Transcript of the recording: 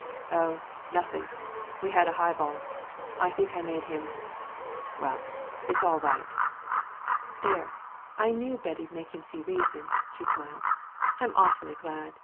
"Oh, nothing. We had a highball. I think I made him well it's all right." "There, I knew Betty'd make him see reason," she smiled. "I'm awfully glad.